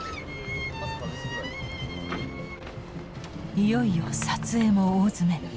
いよいよ撮影も大詰め。